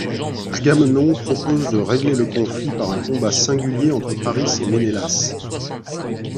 Agamemnon propose de régler le conflit par un combat singulier entre Pâris et Ménélas.